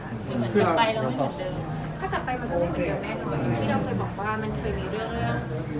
หรือเหมือนจะไปแล้วไม่เหมือนเดิม